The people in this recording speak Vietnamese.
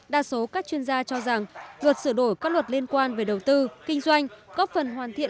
đa số các chuyên gia cho rằng luật sửa đổi các luật liên quan về đầu tư kinh doanh góp phần hoàn thiện